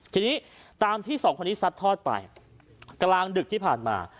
ทีนี้ตามที่สองคนนี้ซัดทอดไปกลางดึกที่ผ่านมา